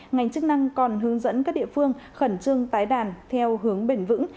ngành chức năng còn hướng dẫn các địa phương khẩn trương tái đàn theo hướng bền vững